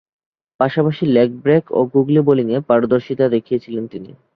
পাশাপাশি leg break ও googly বোলিংয়ে পারদর্শিতা দেখিয়েছেন তিনি।